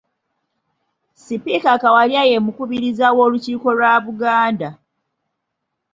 Sipiika Kawalya ye mukubiriza w’Olukiiko lwa Buganda.